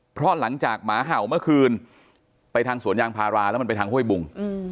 เพราะหลังจากหมาเห่าเมื่อคืนไปทางสวนยางพาราแล้วมันไปทางห้วยบุง